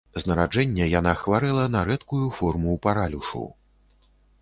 З нараджэння яна хварэла на рэдкую форму паралюшу.